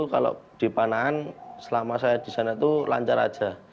kalau di panahan selama saya di sana itu lancar aja